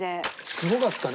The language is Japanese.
すごかったね。